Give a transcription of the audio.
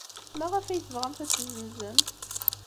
Maɣef ay tebɣamt ad t-tessenzemt?